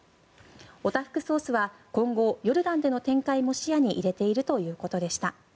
オタフクソースは今後ヨルダンでの展開も視野に入れているということでした。